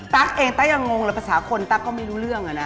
ตั๊กเองตั๊กยังงงเลยภาษาคนตั๊กก็ไม่รู้เรื่องอะนะ